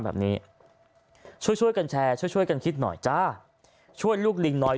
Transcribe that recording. แบบนี้ช่วยช่วยกันแชร์ช่วยช่วยกันคิดหน่อยจ้าช่วยลูกลิงน้อย